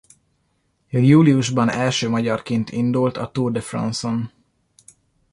Júliusban első magyarként indult a Tour de France-on.